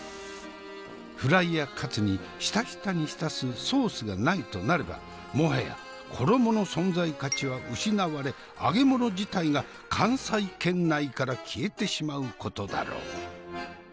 フライやカツにヒタヒタに浸すソースがないとなればもはや衣の存在価値は失われ揚げ物自体が関西圏内から消えてしまうことだろう。